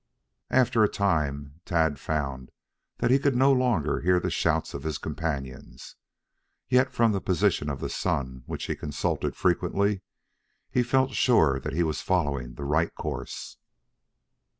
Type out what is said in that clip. After a time Tad found that he could no longer hear the shouts of his companions, yet from the position of the sun, which he consulted frequently, he felt sure that he was following the right course.